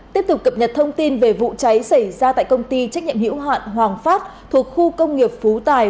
tiếp tục cập nhật thông tin về vụ cháy xảy ra tại công ty trách nhiệm hữu hạn hoàng phát thuộc khu công nghiệp phú tài